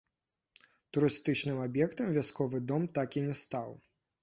Турыстычным аб'ектам вясковы дом так і не стаў.